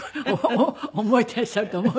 覚えていらっしゃると思うけど。